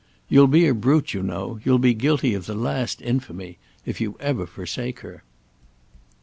"You'll be a brute, you know—you'll be guilty of the last infamy—if you ever forsake her."